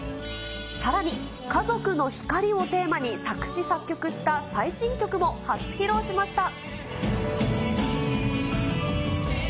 さらに、家族の光をテーマに作詞作曲した最新曲も初披露しました。